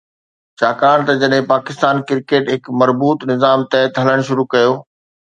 ڇاڪاڻ ته جڏهن پاڪستان ڪرڪيٽ هڪ مربوط نظام تحت هلڻ شروع ڪيو